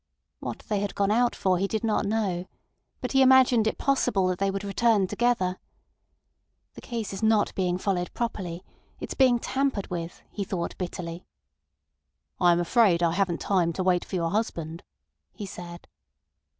What they had gone out for he did not know, but he imagined it possible that they would return together. The case is not followed properly, it's being tampered with, he thought bitterly. "I am afraid I haven't time to wait for your husband," he said.